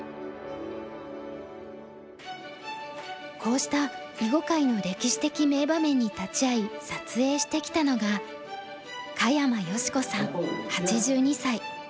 こうした囲碁界の歴史的名場面に立ち会い撮影してきたのが香山由志子さん８２歳。